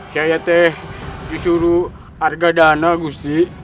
saya sudah disuruh harga dana gusti